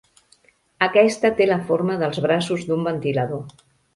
Aquesta té la forma dels braços d'un ventilador.